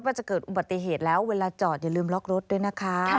จะเกิดอุบัติเหตุแล้วเวลาจอดอย่าลืมล็อกรถด้วยนะคะ